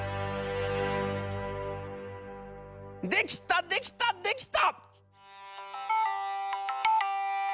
「『できたできたできた！』」。